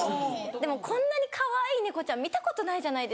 でもこんなにかわいい猫ちゃん見たことないじゃないですか。